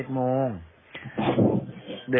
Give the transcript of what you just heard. เมื่อวันที่๖